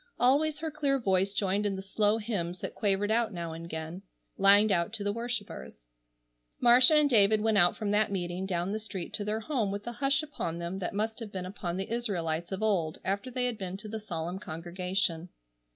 Always her clear voice joined in the slow hymns that quavered out now and again, lined out to the worshippers. Marcia and David went out from that meeting down the street to their home with the hush upon them that must have been upon the Israelites of old after they had been to the solemn congregation.